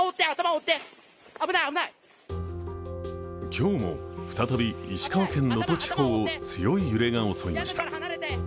今日も再び石川県能登地方を強い揺れが襲いました。